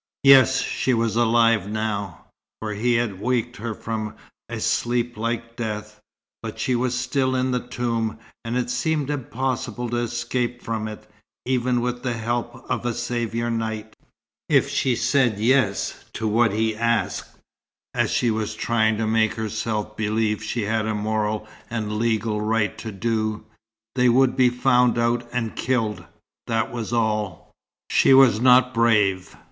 Yes, she was alive now, for he had waked her from a sleep like death; but she was still in the tomb, and it seemed impossible to escape from it, even with the help of a saviour knight. If she said "yes" to what he asked, as she was trying to make herself believe she had a moral and legal right to do, they would be found out and killed, that was all. She was not brave.